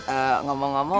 eh ngomong aja masih pake